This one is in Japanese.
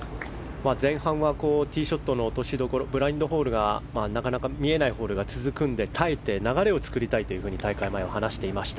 前半はティーショットの落としどころブラインドホールなかなか見えないホールが続くので耐えて流れを作りたいと大会前は話していました。